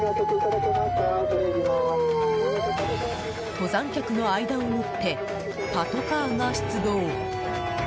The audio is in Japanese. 登山客の間を縫ってパトカーが出動。